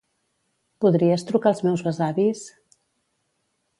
Podries trucar als meus besavis?